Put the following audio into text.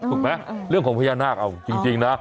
ถูกไหมเรื่องของพญานาคเอาจริงนะ